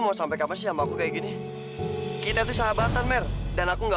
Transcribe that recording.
dan gara gara cinta aku juga jadi pembohong tau nggak